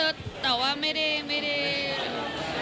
เอผมือว่าไม่ได้ไม่ดา